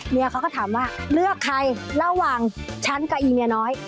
เขาก็ถามว่าเลือกใครระหว่างฉันกับอีเมียน้อย